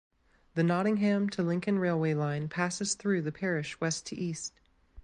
The Nottingham to Lincoln railway line passes through the parish west to east.